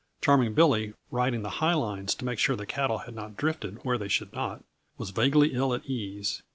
Charming Billy, riding the high lines to make sure the cattle had not drifted where they should not, was vaguely ill at ease.